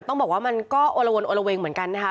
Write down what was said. ต้องบอกว่ามันก็โอละวนโอละเวงเหมือนกันนะคะ